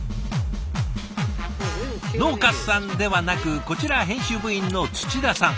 農家さんではなくこちら編集部員の土田さん。